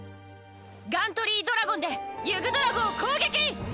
ガントリー・ドラゴンでユグドラゴを攻撃！